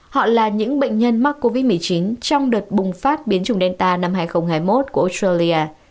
họ là những bệnh nhân mắc covid một mươi chín trong đợt bùng phát biến trùng delta năm hai nghìn hai mươi một của australia